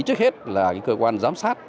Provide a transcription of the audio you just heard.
trước hết là cái cơ quan giám sát